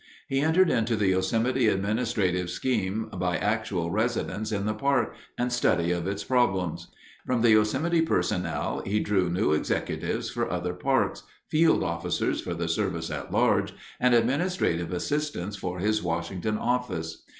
He entered into the Yosemite administrative scheme by actual residence in the park and study of its problems. From the Yosemite personnel he drew new executives for other parks, field officers for the service at large, and administrative assistants for his Washington office.